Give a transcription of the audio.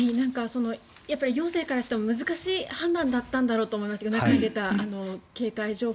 行政からしても難しい判断だったんだろうと思いますけど何回か出た警戒情報。